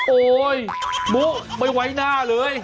โอ๊ยมุไม่ไว้หน้าเลย